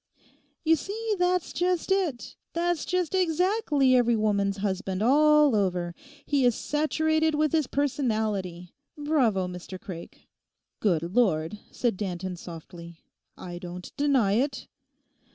'You see, that's just it! That's just exactly every woman's husband all over; he is saturated with his personality. Bravo, Mr Craik!' 'Good Lord,' said Danton softly. 'I don't deny it!